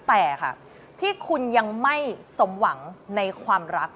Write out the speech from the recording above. แต่ค่ะที่คุณยังไม่สมหวังในความรัก